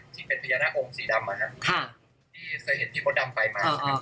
พี่เสียเหตุที่มดดำไปมา